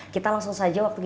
gimana nah termasuk